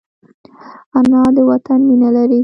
انا د وطن مینه لري